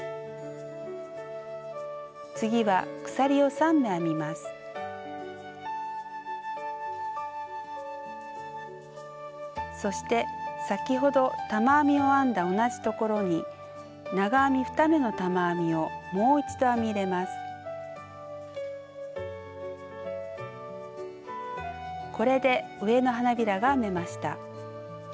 次はそして先ほど玉編みを編んだ同じところにこれで上の花びらが編めました。